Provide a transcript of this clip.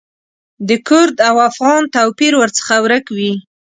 د کرد او افغان توپیر ورڅخه ورک وي.